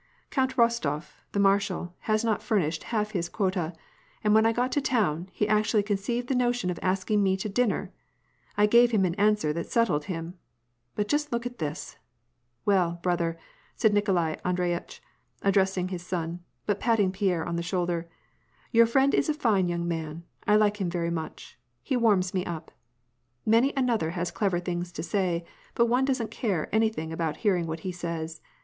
" Count Rostof , the marshal, has not furnished half his quota, and when I got to town, he actually conceived the notion of asking me to dinner — I gave him an answer that settled him ! But just look at this ! Well, brother," said Nikolai Andreyitch, addressing his son, but patting Pierre on the shoulder, '* your friend is a fine young man, I like him very much. He warms me up. Many another has clever things to say, but one doesn't care anything about hearing what he says.